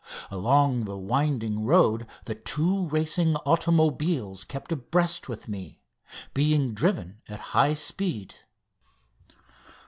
Along the winding road the two racing automobiles kept abreast with me, being driven at high speed.